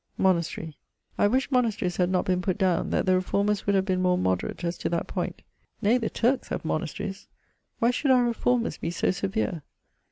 Monastery. I wished monastrys had not been putt downe, that the reformers would have been more moderate as to that point. Nay, the Turkes have monasteries. Why should our reformers be so severe?